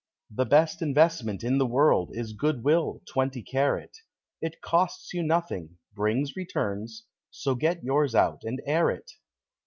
The best investment in the world Is goodwill, twenty carat; It costs you nothing, brings returns; So get yours out and air it.